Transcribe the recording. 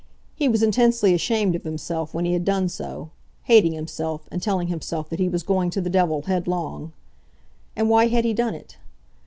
He was intensely ashamed of himself when he had done so, hating himself, and telling himself that he was going to the devil headlong. And why had he done it?